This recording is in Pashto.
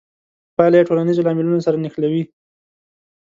پایله یې ټولنیزو لاملونو سره نښلوي.